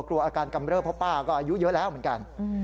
กลัวอาการกำเริบเพราะป้าก็อายุเยอะแล้วเหมือนกัน